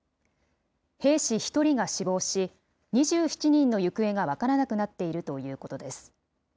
兵士１人が死亡し、２７人の行方が分からなくなっているということです。